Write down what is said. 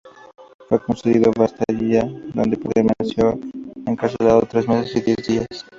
Fue conducido a la Bastilla, donde permaneció encarcelado tres meses y diez días.